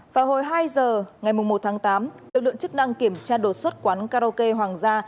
và hồi hai h ngày mùng một tháng tám lực lượng chức năng kiểm tra đột xuất quán karaoke hoàng gia